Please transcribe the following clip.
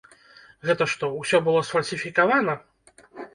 Гэта што, усё было сфальсіфікавана?